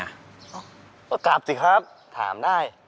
ก็กลับสิครับถามได้